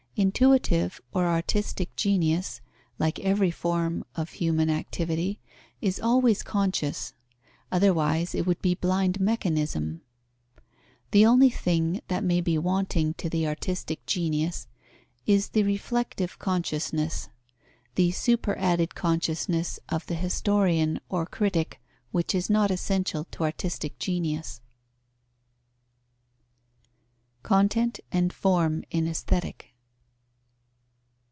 Intuitive or artistic genius, like every form of human activity, is always conscious; otherwise it would be blind mechanism. The only thing that may be wanting to the artistic genius is the reflective consciousness, the superadded consciousness of the historian or critic, which is not essential to artistic genius. _Content and form in Aesthetic.